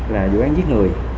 là vụ án giết người